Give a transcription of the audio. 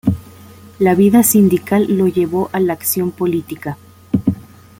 La vida sindical lo llevó a la acción política.